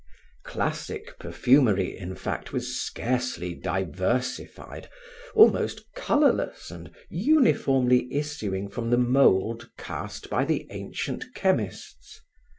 Classic perfumery, in fact, was scarcely diversified, almost colorless and uniformly issuing from the mold cast by the ancient chemists.